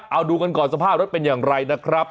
เอาดูกันก่อนสภาพรถเป็นอย่างไรนะครับ